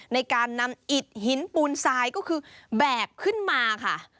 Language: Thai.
ในการนำอิดหินปูนทรายก็คือแบกขึ้นมาค่ะ